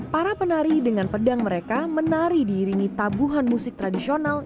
para penari dengan pedang mereka menari diiringi tabuhan musik tradisional